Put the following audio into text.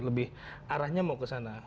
lebih arahnya mau ke sana